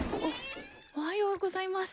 おおはようございます。